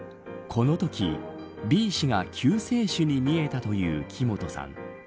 このときＢ氏が救世主に見えたという木本さん